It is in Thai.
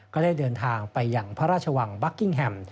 ก็ได้เดินทางไปอย่างพระราชวังบัคกิ้งแฮม